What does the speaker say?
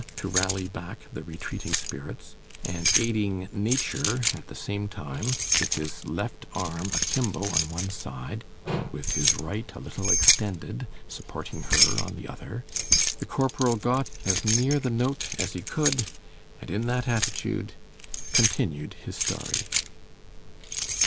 to rally back the retreating spirits, and aiding nature at the same time with his left arm a kimbo on one side, and with his right a little extended, supporting her on the other—the corporal got as near the note as he could; and in that attitude, continued his story.